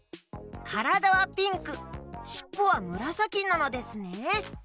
からだはピンクしっぽはむらさきなのですね！